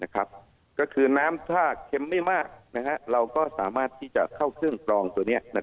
ก็คือน้ำถ้าเค็มไม่มากเราก็สามารถที่จะเข้าเครื่องกรองตัวนี้